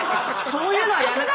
そういうのは。